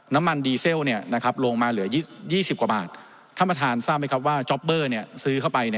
น้ำมันดีเซลลงมาเหลือ๒๐กว่าบาทท่านประธานทราบไหมครับว่าจ๊อปเบอร์ซื้อเข้าไป